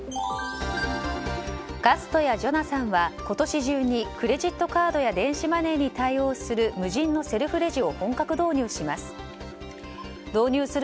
ガストやジョナサンは今年中にクレジットカードや電子マネーに対応する無人のセルフレジを本格導入します。